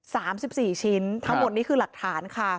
สามสิบสี่ชิ้นทั้งหมดนี้คือหลักฐานค่ะ